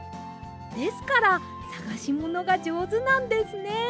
ですからさがしものがじょうずなんですね。